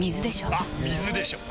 あっ水でしょ！